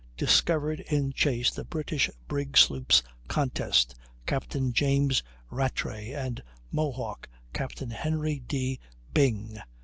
discovered in chase the British brig sloops Contest, Captain James Rattray, and Mohawk, Captain Henry D. Byng.